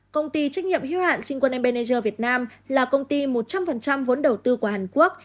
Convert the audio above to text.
công ty trách nhiệm hiếu hạn sinh quân embanager việt nam là công ty một trăm linh vốn đầu tư của hàn quốc